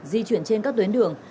di chuyển trên các tuyến đường